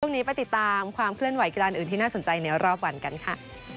ไปติดตามความเคลื่อนไหกีฬาอื่นที่น่าสนใจในรอบวันกันค่ะ